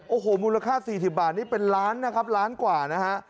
โอ้โหมูลค่า๔๐บาทนี่เป็นล้านนะครับล้านกว่านะฮะ